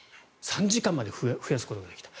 ３時間まで増やすことができた。